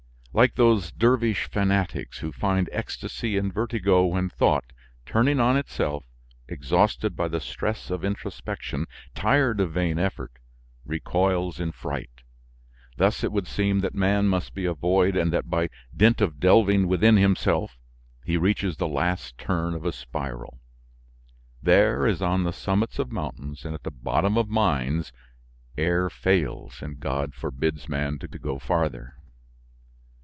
Like those dervish fanatics who find ecstasy in vertigo when thought, turning on itself, exhausted by the stress of introspection, tired of vain effort, recoils in fright; thus it would seem that man must be a void and that by dint of delving within himself, he reaches the last turn of a spiral. There, as on the summits of mountains and at the bottom of mines, air fails and God forbids man to go farther.